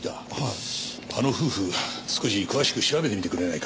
あの夫婦少し詳しく調べてみてくれないか？